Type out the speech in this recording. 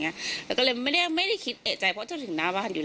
เนี้ยแล้วก็เลยไม่ได้ไม่ได้คิดเอ่ยใจเพราะจะถึงหน้าบ้านอยู่